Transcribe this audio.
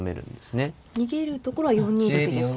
逃げるところは４二玉ですね。